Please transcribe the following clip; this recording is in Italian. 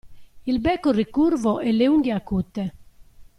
Il becco ricurvo e le unghie acute.